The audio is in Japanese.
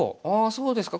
そうですか。